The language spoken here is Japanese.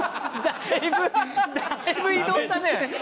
だいぶだいぶ移動したね。